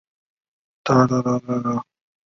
其子潘振镛以绘画闻名。